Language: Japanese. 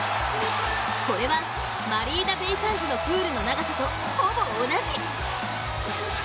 これはマリーナベイサンズのプールの長さとほぼ同じ。